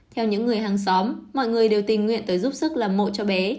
theo những người hàng xóm mọi người đều tình nguyện tới giúp sức làm mộ cho bé